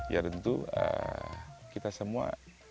ya tentu kita semua